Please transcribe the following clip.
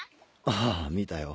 ああ見たよ。